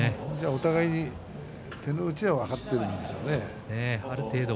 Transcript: お互いに手の内は分かっているんですよね。